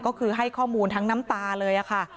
ก็คือให้ข้อมูลทั้งน้ำตาเลยค่ะ